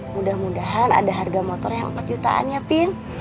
mudah mudahan ada harga motor yang empat jutaan ya pin